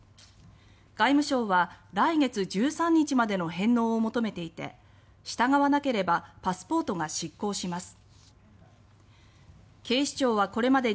外務省は、来月１３日までの返納を求めていて従わなければパスポートが失効し不法滞在とみなされる可能性が出てきます。